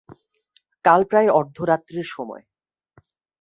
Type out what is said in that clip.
কাল প্রায় অর্ধরাত্রের সময়।